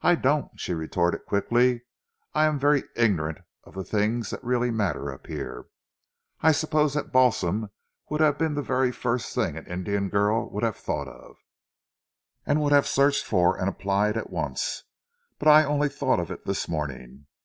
"I don't," she retorted, quickly. "I am very ignorant of the things that really matter up here. I suppose that balsam would have been the very first thing an Indian girl would have thought of, and would have searched for and applied at once, but I only thought of it this morning.